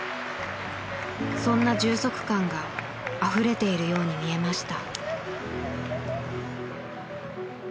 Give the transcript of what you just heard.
そんな充足感があふれているように見えました。